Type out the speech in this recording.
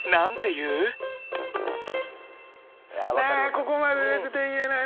ねえここまで出てて言えない。